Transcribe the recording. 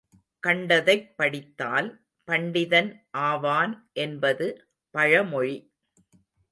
கண்டதைப் படித்தால் பண்டிதன் ஆவான் என்பது பழமொழி.